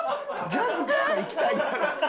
ジャズとかいきたいやろ。